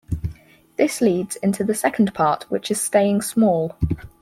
This leads into the second part which is staying small.